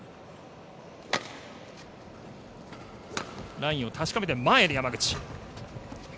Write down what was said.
ラインを確かめて前に、山口。